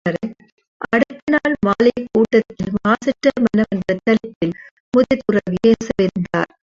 அடுத்த நாள் மாலைக் கூட்டத்தில் மாசற்ற மனம் என்ற தலைப்பில் முதிய துறவி பேச விருந்தார்.